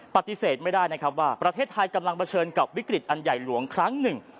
ปฏิเสธไม่ได้นะครับว่าประเทศไทยกำลังเผชิญกับวิกฤตอันใหญ่หลวงครั้งหนึ่ง